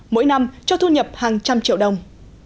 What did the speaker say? mỗi năm cho thu nhập hàng trăm triệu đồng